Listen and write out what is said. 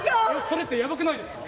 それってやばくないですか？